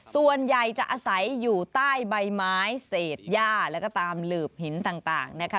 ส่วนใหญ่จะอาศัยอยู่ใต้ใบไม้เศษย่าแล้วก็ตามหลืบหินต่างนะคะ